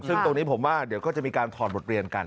ซึ่งตรงนี้ผมว่าเดี๋ยวก็จะมีการถอดบทเรียนกัน